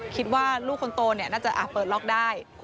คิดว่าลูกคนโตน่าจะอาจเปิดล็อกได้